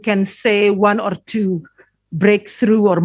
apakah anda bisa mengatakan satu atau dua